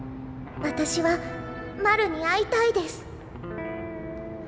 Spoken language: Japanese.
私はマルに会いたいです！！」。